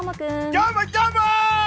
どーも、どーも！